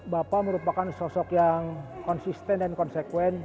bapak merupakan sosok yang konsisten dan konsekuen